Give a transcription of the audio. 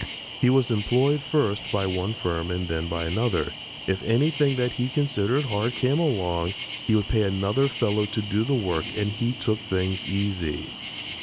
He was employed first by one firm and then by another; if anything that he considered hard came along, he would pay another fellow to do the work and he "took things easy."